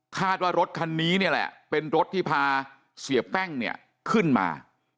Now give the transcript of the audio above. คาดว่ารถคันนี้นี่แหละเป็นรถที่พาเสียแป้งเนี่ยขึ้นมา